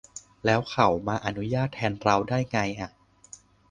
แล้วเขามาอนุญาตแทนเราได้ไงอะ